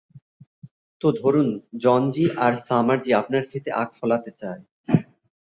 তো ধরুন জন জি আর সামার জি আপনার ক্ষেতে আখ ফলাতে চায়।